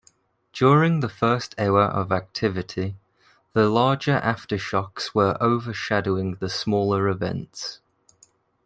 During the first hour of activity, the larger aftershocks were overshadowing the smaller events.